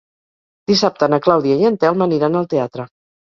Dissabte na Clàudia i en Telm aniran al teatre.